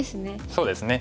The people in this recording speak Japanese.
そうですね。